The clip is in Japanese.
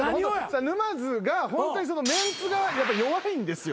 沼津がホントにメンツが弱いんですよ。